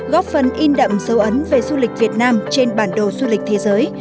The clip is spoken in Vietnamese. góp phần in đậm dấu ấn về du lịch việt nam trên bản đồ du lịch thế giới